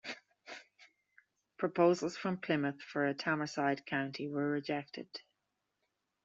Proposals from Plymouth for a Tamarside county were rejected.